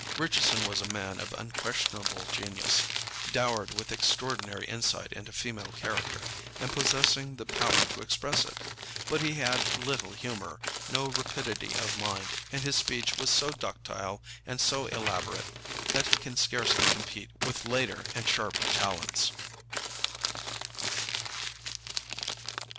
Richardson was a man of unquestionable genius, dowered with extraordinary insight into female character, and possessing the power to express it; but he had little humor, no rapidity of mind, and his speech was so ductile and so elaborate that he can scarcely compete with later and sharper talents.